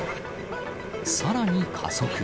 さらに加速。